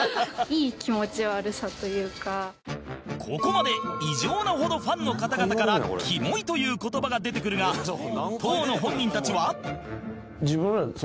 ここまで異常なほどファンの方々から「キモい」という言葉が出てくるが当の本人たちは